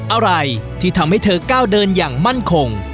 อะไรที่ทำให้เธอก้าวเดินอย่างมั่นคง